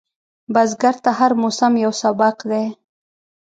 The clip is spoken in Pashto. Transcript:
بزګر ته هر موسم یو سبق دی